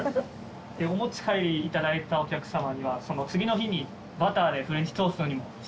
お持ち帰りいただいたお客さまにはその次の日にバターでフレンチトーストにも。